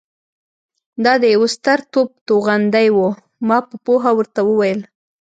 دا د یوه ستر توپ توغندۍ وه. ما په پوهه ورته وویل.